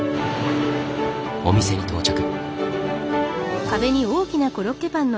お店に到着。